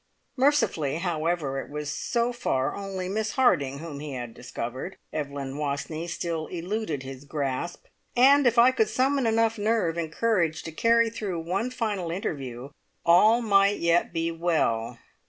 Mercifully, however, it was so far only Miss Harding whom he had discovered; Evelyn Wastneys still eluded his grasp, and if I could summon enough nerve and courage to carry through one final interview, all might yet be well.